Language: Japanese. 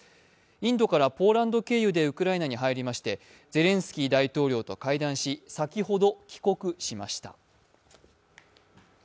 インドからポーランド経由でウクライナに入りましてゼレンスキー大統領と会談し先ほど帰国しました。